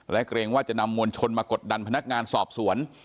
เกรงว่าจะนำมวลชนมากดดันพนักงานสอบสวน